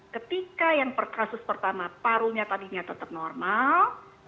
ketika yang per kasus pertama parunya tadinya tetap normal